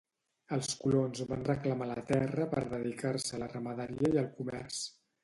Els colons van reclamar la terra per dedicar-se a la ramaderia i el comerç.